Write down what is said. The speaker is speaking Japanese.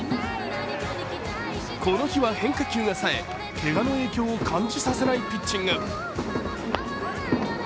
この日は変化球がさえ、けがの影響を感じさせないピッチング。